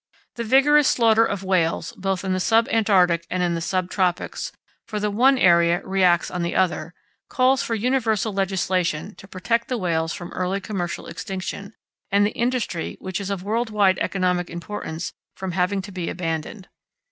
The vigorous slaughter of whales both in the sub Antarctic and in the sub tropics, for the one area reacts on the other, calls for universal legislation to protect the whales from early commercial extinction, and the industry, which is of world wide economic importance, from having to be abandoned.